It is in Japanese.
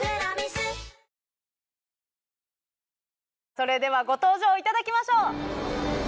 それではご登場いただきましょう。